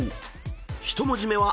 ［１文字目は］